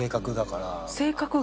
性格が？